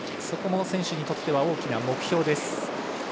そこも選手にとっては大きな目標です。